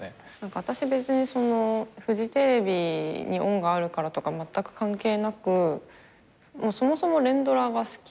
私別にフジテレビに恩があるからとかまったく関係なくそもそも連ドラが好き。